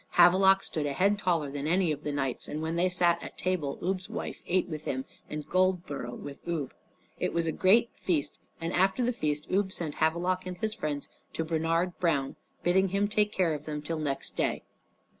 Havelok stood a head taller than any of the knights, and when they sat at table Ubbe's wife ate with him, and Goldborough with Ubbe. It was a great feast, and after the feast Ubbe sent Havelok and his friends to Bernard Brown, bidding him take care of them till next day.